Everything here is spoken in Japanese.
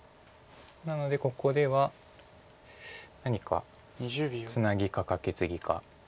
なのでここでは何かツナギかカケツギか。